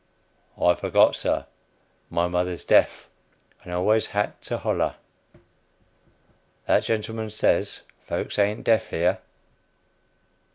"I forgot, Sir; my mother's deaf, and always had to holler. That gentleman says folks ain't deaf here."